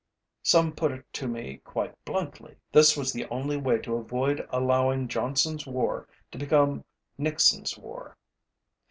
Some put it to me quite bluntly: This was the only way to avoid allowing JohnsonÆs war to become NixonÆs war.